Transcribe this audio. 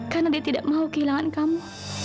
karena dia tidak mau kehilangan kamu